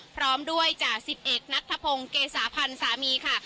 พร้อมด้วยจาก๑๑นักทะพงเกษาพันธ์สามีค่ะ